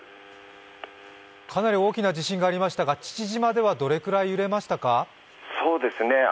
かなり大きな地震がありましたが父島ではどれくらい揺れましたか？